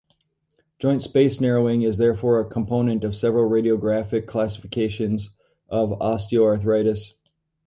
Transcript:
Joint space narrowing is therefore a component of several radiographic classifications of osteoarthritis.